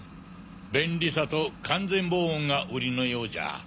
便利さと完全防音が売りのようじゃ。